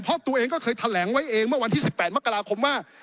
เพราะตัวเองก็เคยแถลงไว้เองเมื่อวันที่๑๘มกราคมว่า